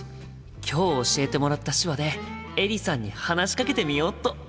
今日教えてもらった手話でエリさんに話しかけてみよっと！